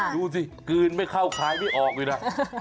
ดูสิกลืนไม่เข้าคลายไม่ออกเลยนะ